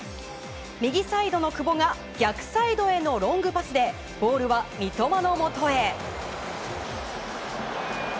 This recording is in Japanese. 右サイドの久保が逆サイドへのロングパスでボールは三笘のもとへ。